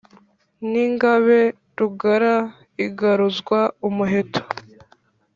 N’Ingabe Rugara igaruzwa umuheto.